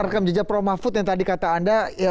rekam jejak prof mahfud yang tadi kata anda